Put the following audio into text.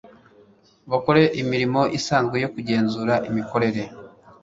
bakore imirimo isanzwe yo kugenzura imikorere